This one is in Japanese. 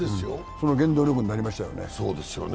その原動力になりましたよね。